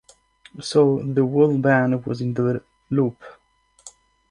So, the whole band was in the loop.